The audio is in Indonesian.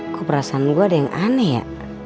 kok perasaan gue ada yang aneh ya